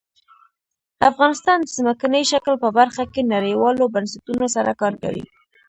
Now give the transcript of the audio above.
افغانستان د ځمکنی شکل په برخه کې نړیوالو بنسټونو سره کار کوي.